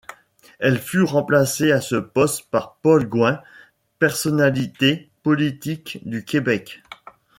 Elle fut remplacée à ce poste par Paul Gouin, personnalité politique du Québec.